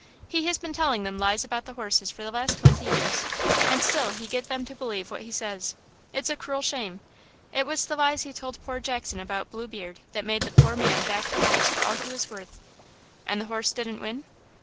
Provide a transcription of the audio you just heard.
He has been telling them lies about the horses for the last twenty years, and still he get them to believe what he says. It is a cruel shame! It was the lies he told poor Jackson about Blue Beard that made the poor man back the horse for all he was worth." "And the horse didn't win?"